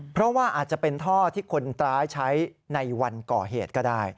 เพราะว่าอาจจะเป็นท่อที่คนร้ายใช้ในวันก่อเหตุก็ได้